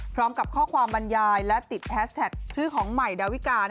พร้อมกับข้อความบรรยายและติดแฮสแท็กชื่อของใหม่ดาวิกา